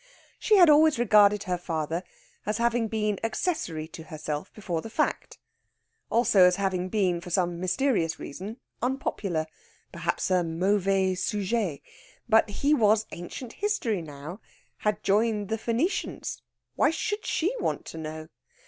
She had always regarded her father as having been accessory to herself before the fact; also as having been, for some mysterious reason, unpopular perhaps a mauvais sujet. But he was Ancient History now had joined the Phoenicians. Why should she want to know?